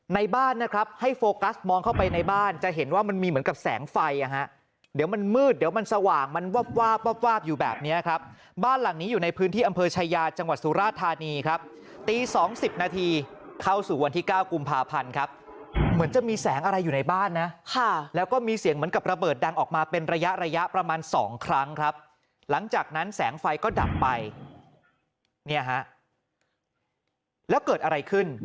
ในบ้านนะครับให้โฟกัสมองเข้าไปในบ้านจะเห็นว่ามันมีเหมือนกับแสงไฟอ่ะฮะเดี๋ยวมันมืดเดี๋ยวมันสว่างมันวาบอยู่แบบนี้ครับบ้านหลังนี้อยู่ในพื้นที่อำเภอชายาจังหวัดสุราธานีครับตี๒๐นาทีเข้าสู่วันที่๙กุมภาพันธ์ครับเหมือนจะมีแสงอะไรอยู่ในบ้านนะค่ะแล้วก็มีเสียงเหมือนกับระเบ